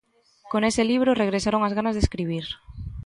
Con ese libro, regresaron as ganas de escribir.